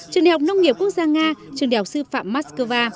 trường đại học nông nghiệp quốc gia nga trường đại học sư phạm moscow